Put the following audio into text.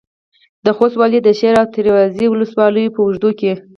د خوست والي د شېر او تریزایي ولسوالیو په اوږدو کې